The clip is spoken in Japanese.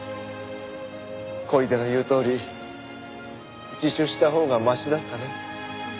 小出の言うとおり自首したほうがマシだったね。